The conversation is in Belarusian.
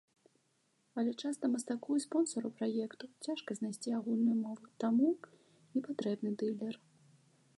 Але часта мастаку і спонсару праекту цяжка знайсці агульную мову, таму і патрэбны дылер.